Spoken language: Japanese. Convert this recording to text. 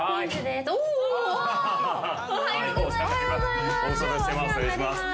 おはようございます。